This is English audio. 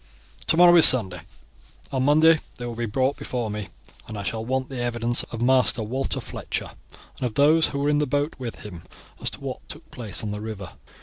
Tomorrow is Sunday; on Monday they will be brought before me, and I shall want the evidence of Master Walter Fletcher and of those who were in the boat with him as to what took place on the river.